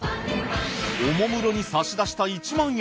おもむろに差し出した１万円。